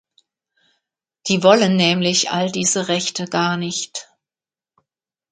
Die wollen nämlich all diese Rechte gar nicht.